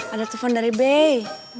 ada telepon dari bey